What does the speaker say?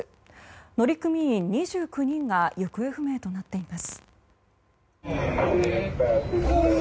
乗組員２９人が行方不明となっています。